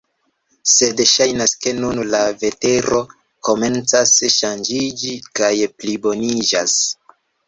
Sed ŝajnas ke nun la vetero komencas ŝanĝiĝi kaj pliboniĝas.